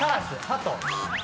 ハト。